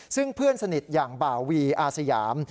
ซึ่งเพื่อนสนิทอย่างบ่าวีอาสยาม